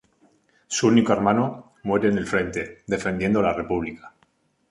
Su único hermano muere en el frente defendiendo la República.